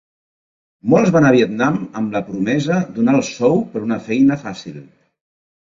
Molts van a Vietnam amb la promesa d'un alt sou per una feina fàcil.